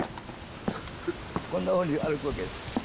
こんなふうに歩くわけです。